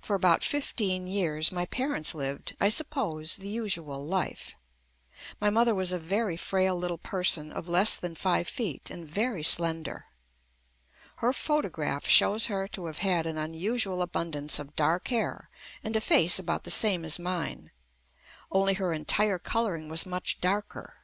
For about fifteen years my parents lived, I suppose, the usual life. My mother was a very frail little person of less than five feet and very slender. Her photograph shows her to have had an unusual abundance of dark hair and a face about the same as mine, only her entire coloring was much darker.